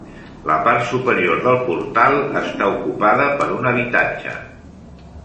La part superior del portal està ocupada per un habitatge.